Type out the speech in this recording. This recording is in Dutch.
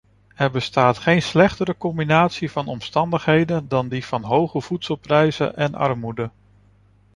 Er bestaat geen slechtere combinatie van omstandigheden dan die van hoge voedselprijzen en armoede.